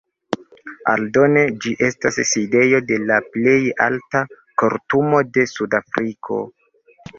Aldone ĝi estas sidejo de la plej alta kortumo de Sudafriko.